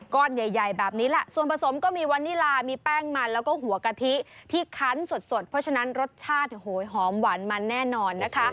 ก้อนใหญ่แบบนี้แหละส่วนผสมก็มีวันนิลามีแป้งมันแล้วก็หัวกะทิที่คันสดเพราะฉะนั้นรสชาติหอมหวานมันแน่นอนนะคะ